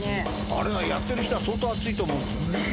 あれはやってる人は相当熱いと思うんですよね。